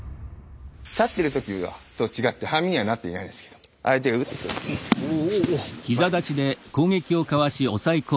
立ってる時とは違って半身にはなっていないんですけど相手が前に出ます。